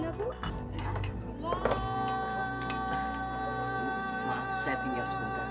aku kelihatannya panik tolong